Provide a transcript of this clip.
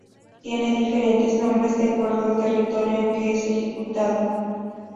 Tiene diferentes nombres de acuerdo al territorio en que es ejecutado.